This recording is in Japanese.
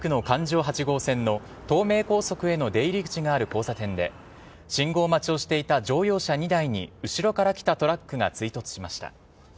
環状８号線の東名高速への出入り口がある交差点で信号待ちをしていた乗用車２台に後ろから来たトラックが追突しました。